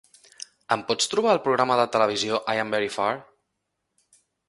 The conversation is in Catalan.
Em pots trobar el programa de televisió I Am Very Far?